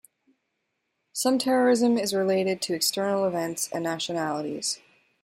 Some terrorism is related to external events and nationalities.